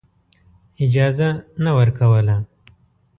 اجازه نه ورکوله.